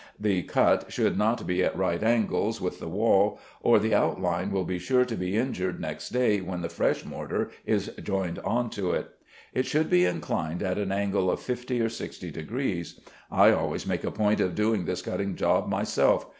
The cut should not be at right angles with the wall, or the outline will be sure to be injured next day when the fresh mortar is joined on to it. It should be inclined at an angle of fifty or sixty degrees. I always make a point of doing this cutting job myself.